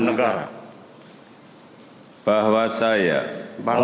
menjadi tetap awan masyarakat